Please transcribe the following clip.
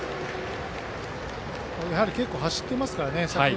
結構、走っていますからね。